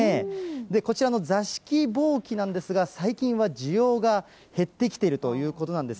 こちらの座敷ぼうきなんですが、最近は需要が減ってきているということなんです。